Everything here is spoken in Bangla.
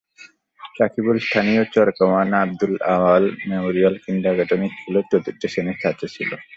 সাকিবুল স্থানীয় চারকাওনা আবদুল আওয়াল মেমোরিয়াল কিন্ডারগার্টেন স্কুলের চতুর্থ শ্রেণির ছাত্র ছিল।